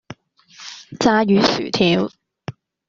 炸魚薯條